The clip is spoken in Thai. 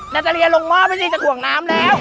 นาตาเลียลงหม้อมันจะถ่วงน้ำแล้ว